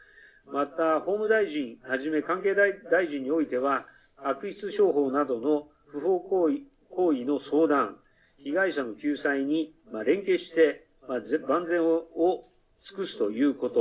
また法務大臣関係大臣においては悪質商法などの不法行為の相談被害者の救済に連携して万全を尽くすということ。